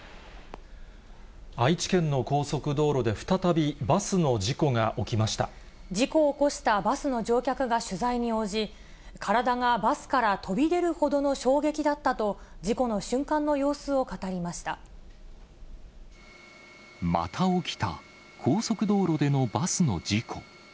愛知県の高速道路で再びバス事故を起こしたバスの乗客が取材に応じ、体がバスから飛び出るほどの衝撃だったと、事故の瞬間の様子を語また起きた、高速道路でのバスの事故。